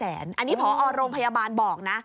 อันนี้พอโรงพยาบาลบอกนะ